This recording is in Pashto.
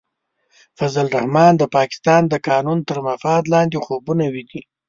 فضل الرحمن د پاکستان د قانون تر مفاد لاندې خوبونه ویني.